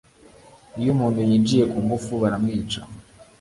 iyo umuntu yinjiye ku ngufu baramwica